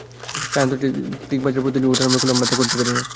তাই আন্তর্জাতিক বাজারে দাম প্রতিদিন ওঠানামা করলেও আমরা করতে পারি না।